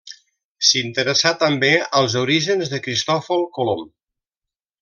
S'interessà també als orígens de Cristòfol Colom.